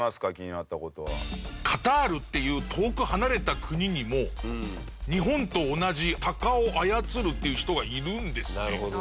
小僧：カタールっていう遠く離れた国にも日本と同じ鷹を操るっていう人がいるんですね。